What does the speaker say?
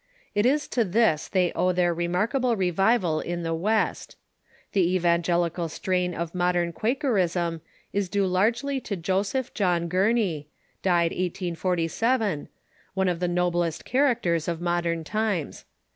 It is to this they owe their remarkable revival in the West. The evangelical strain of modern Quakerism is due largely to Joseph John Gurney (died 1847), one of the noblest characters of modern times.